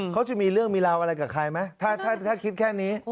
เขาจะมีเรื่องมีราวอะไรกับใครไหมถ้าคิดแค่นี้